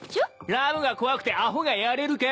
ラムが怖くてアホがやれるか！